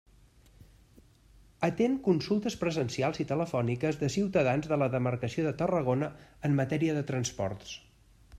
Atén consultes presencials i telefòniques de ciutadans de la demarcació de Tarragona en matèria de transports.